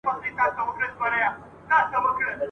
په دې ویاله کي دي اوبه تللي !.